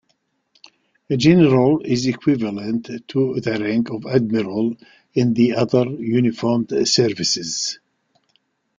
General is equivalent to the rank of admiral in the other uniformed services.